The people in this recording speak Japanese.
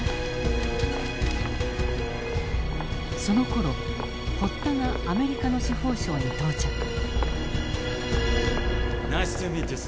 そのころ堀田がアメリカの司法省に到着。